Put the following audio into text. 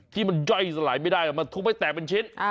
ที่มันย่อยสลายไม่ได้มันทุบให้แตกเป็นชิ้น